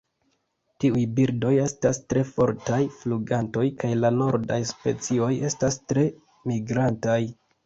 Tiuj birdoj estas tre fortaj flugantoj kaj la nordaj specioj estas tre migrantaj.